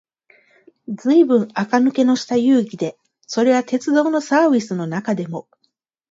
ずいぶん垢抜けのした遊戯で、それは鉄道のサーヴィスの中でも、